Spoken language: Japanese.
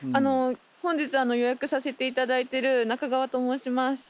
本日予約させていただいてる中川と申します。